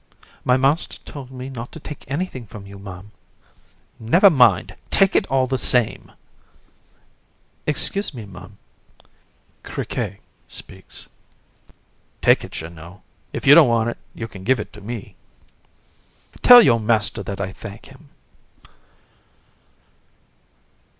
JEAN. My master told me not take anything from you Ma'am. COUN. Never mind, take it all the same. JEAN. Excuse me, Ma'am. CRI. Take it, Jeannot. If you don't want it, you can give it me. COUN. Tell your master that I thank him.